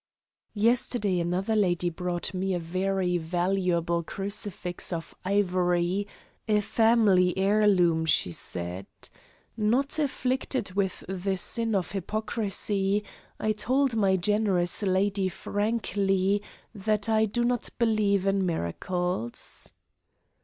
Yesterday another lady brought me a very valuable crucifix of ivory, a family heirloom, she said. Not afflicted with the sin of hypocrisy, I told my generous lady frankly that I do not believe in miracles.